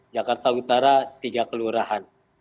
jakarta utara tiga kelurahan